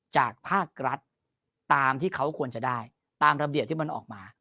จากภาครัฐตามที่เขาควรจะได้ตามระเบียบที่มันออกมา